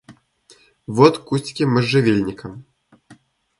Вот кустики можжевельника.